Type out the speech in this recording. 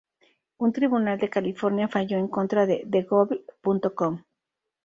Un tribunal de California falló en contra de theGlobe.com.